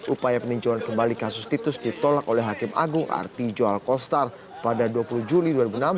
upaya peninjauan kembali kasus titus ditolak oleh hakim agung arti jual kostar pada dua puluh juli dua ribu enam belas